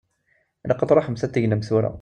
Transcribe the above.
Ilaq ad tṛuḥemt ad tegnemt tura.